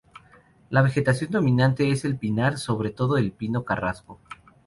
La vegetación dominante es el pinar, sobre todo el pino carrasco.